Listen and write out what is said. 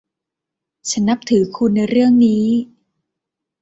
ฉันนับถือคุณในเรื่องนี้